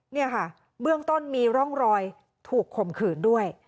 นี่ค่ะเบื้องต้นมีร่องรอยถูกข่มขืนด้วย